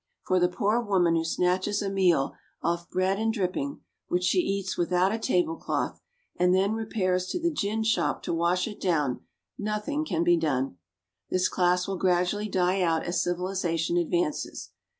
For the poor woman who snatches a meal off bread and dripping, which she eats without a table cloth, and then repairs to the gin shop to wash it down, nothing can be done. This class will gradually die out as civilisation advances.